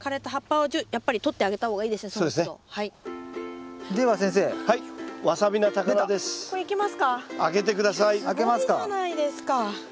すごいじゃないですか。